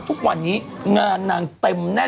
ทุกวันนี้งานนางเต็มแน่น